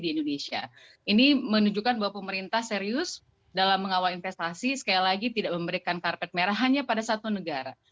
ini menunjukkan bahwa pemerintah serius dalam mengawal investasi sekali lagi tidak memberikan karpet merah hanya pada satu negara